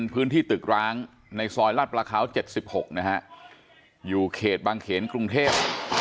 พื้นที่ตึกร้างในซอยลาดประเขา๗๖นะฮะอยู่เขตบางเขนกรุงเทพ